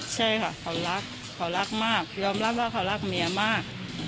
ใช่ค่ะเขารักเขารักมากยอมรับว่าเขารักเมียมาก